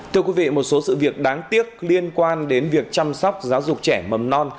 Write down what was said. thưa quý vị một số sự việc đáng tiếc liên quan đến việc chăm sóc giáo dục trẻ mầm non